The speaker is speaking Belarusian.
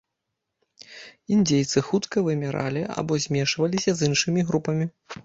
Індзейцы хутка выміралі або змешваліся з іншымі групамі.